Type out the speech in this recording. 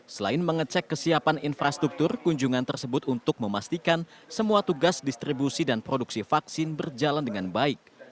selain mengecek kesiapan infrastruktur kunjungan tersebut untuk memastikan semua tugas distribusi dan produksi vaksin berjalan dengan baik